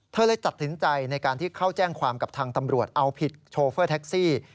เลยตัดสินใจในการที่เข้าแจ้งความกับทางตำรวจเอาผิดโชเฟอร์แท็กซี่